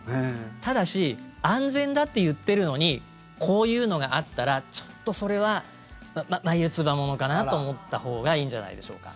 ただし、安全だって言ってるのにこういうのがあったらちょっと、それは眉つば物かなと思ったほうがそうか。